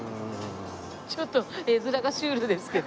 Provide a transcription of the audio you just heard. ちょっと絵面がシュールですけど。